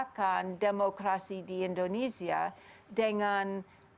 bahayakan demokrasi di indonesia dengan